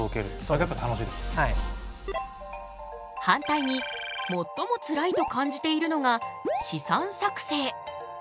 反対にもっともつらいと感じているのが試算作成。